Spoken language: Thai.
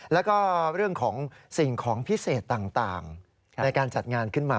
แล้วก็เรื่องของสิ่งของพิเศษต่างในการจัดงานขึ้นมา